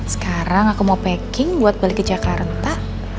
sekarang aku mau packing buat balik ke jakarta